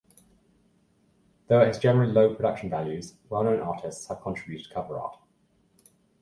Though it has generally low production values, well-known artists have contributed cover art.